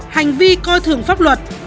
hành vi coi thường pháp luật